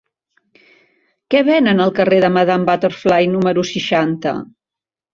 Què venen al carrer de Madame Butterfly número seixanta?